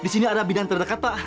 di sini ada bidang terdekat pak